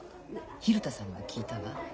蛭田さんにも聞いたわ。